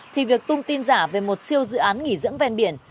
thì việc tung tin giả về một siêu dự án nghỉ dưỡng ven biển